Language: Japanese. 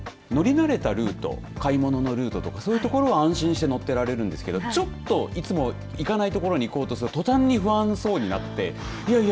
慣れたルート買い物のルートとかそういところは安心して乗ってられるんですけどちょっといつも行かない所に行こうとしたとたんに不安そうになっていやいや